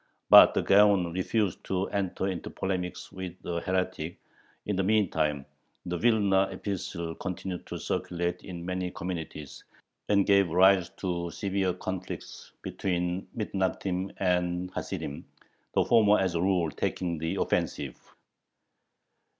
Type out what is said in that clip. But the Gaon refused to enter into polemics with a "heretic." In the meantime the Vilna epistle continued to circulate in many communities, and gave rise to severe conflicts between Mithnagdim and Hasidim, the former as a rule taking the offensive.